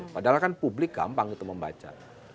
padahal kan publik gampang itu membaca